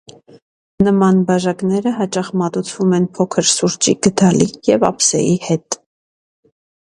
Նման բաժակները հաճախ մատուցվում են փոքր սուրճի գդալի և ափսեի հետ։